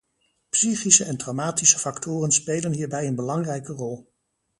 Psychische en traumatische factoren spelen hierbij een belangrijke rol.